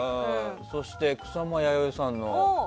そして草間彌生さんの。